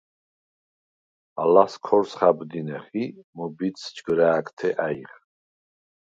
ალას ქორს ხა̈ბდინეხ ი მჷბიდს ჯგჷრა̄̈გთე ა̈ჲხ.